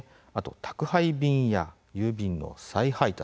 宅配便や郵便の再配達